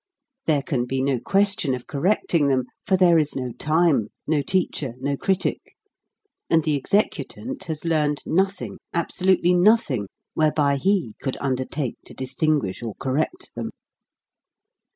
There can be no question of correcting them, for there is no time, no teacher, no critic ; and the executant has learned nothing, absolutely nothing, whereby he could undertake to dis tinguish or correct them.